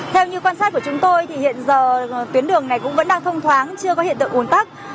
theo như quan sát của chúng tôi thì hiện giờ tuyến đường này cũng vẫn đang thông thoáng chưa có hiện tượng ồn tắc